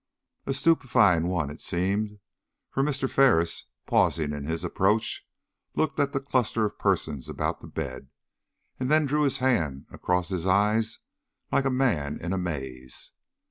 A stupefying one it seemed, for Mr. Ferris, pausing in his approach, looked at the cluster of persons about the bed, and then drew his hand across his eyes like a man in a maze.